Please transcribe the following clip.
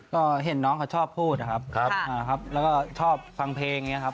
ก็เห็นน้องเขาชอบพูดนะครับแล้วก็ชอบฟังเพลงอย่างนี้ครับ